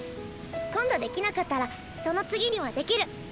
今度できなかったらその次にはできる！